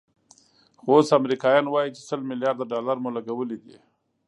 خو اوس امریکایان وایي چې سل ملیارده ډالر مو لګولي دي.